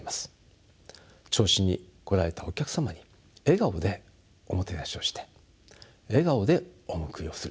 銚子に来られたお客様に笑顔でおもてなしをして笑顔でお見送りをする。